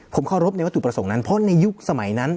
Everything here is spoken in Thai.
ผมเคารพในวัตถุประสงค์นั้นเพราะในยุคสมัยนั้น